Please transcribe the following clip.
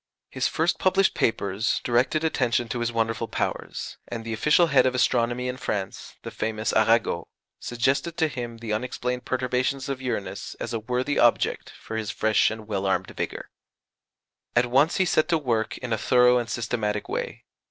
His first published papers directed attention to his wonderful powers; and the official head of astronomy in France, the famous Arago, suggested to him the unexplained perturbations of Uranus as a worthy object for his fresh and well armed vigour. At once he set to work in a thorough and systematic way.